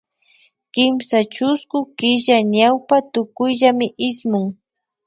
Kimsa chusku killa ñawpa tukuyllami ismun